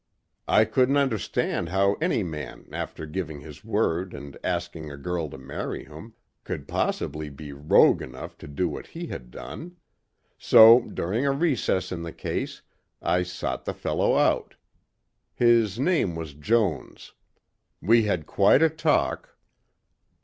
I couldn't understand how any man after giving his word and asking a girl to marry him could possibly be rogue enough to do what he had done. So during a recess in the case I sought the fellow out. His name was Jones. We had quite a talk."